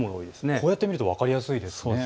こう見ると分かりやすいですね。